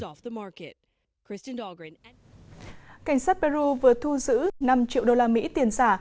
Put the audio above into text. cảnh sát peru vừa thu giữ năm triệu đô la mỹ tiền giả